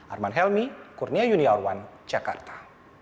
arman helmi kurnia yuniarwan jakarta